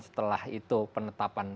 setelah itu penetapan